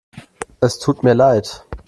Es tut mir leid.